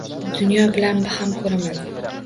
Dunyo bilan baham ko’raman